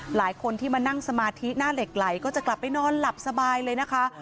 หลายคนที่มานั่งสมาธิหน้าเหล็กไหลก็จะกลับไปนอนหลับสบายเลยนะคะ